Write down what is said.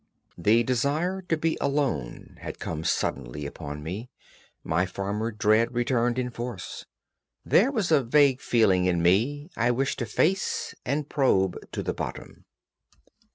The desire to be alone had come suddenly upon me; my former dread returned in force; there was a vague feeling in me I wished to face and probe to the bottom.